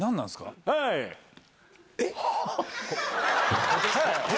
えっ？